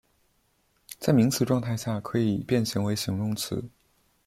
在名词状态下可以变形为形容词。